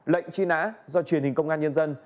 lệnh truy nã do truyền hình công an nhân dân